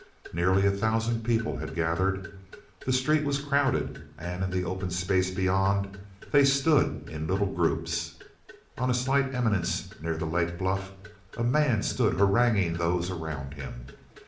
Nearly a thousand people had gathered. The street was crowded and in the open space beyond they stood in little groups. On a slight eminence near the lake bluff, a man stood haranguing those around him.